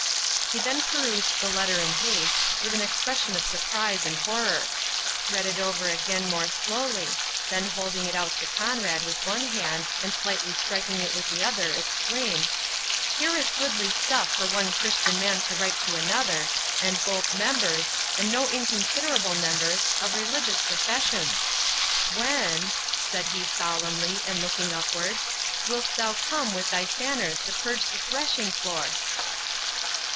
He then perused the letter in haste, with an expression of surprise and horror; read it over again more slowly; then holding it out to Conrade with one hand, and slightly striking it with the other, exclaimed—"Here is goodly stuff for one Christian man to write to another, and both members, and no inconsiderable members, of religious professions! When," said he solemnly, and looking upward, "wilt thou come with thy fanners to purge the thrashing floor?"